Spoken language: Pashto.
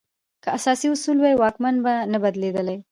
که اساسي اصول وای، واکمن به نه بدلولای.